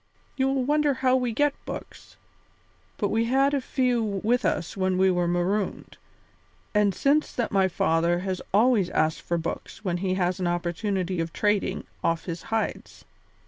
You will wonder how we get books, but we had a few with us when we were marooned, and since that my father has always asked for books when he has an opportunity of trading off his hides.